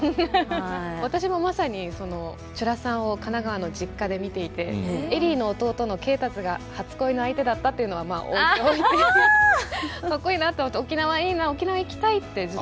私もまさに「ちゅらさん」を神奈川の実家で見ていて恵里の弟の恵達が初恋の相手だったっていうのはまあ置いておいてかっこいいな沖縄いいな沖縄行きたいってずっと思ってました。